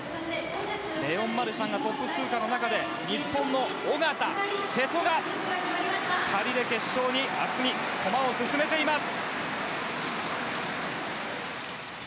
レオン・マルシャンがトップ通過という中で日本の小方、瀬戸が２人で明日の決勝に駒を進めています。